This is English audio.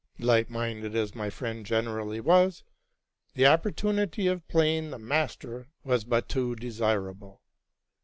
Light minded as my friend generally was, the opportunity of playing the master was but too desirable.